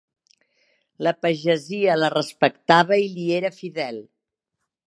La pagesia la respectava i li era fidel.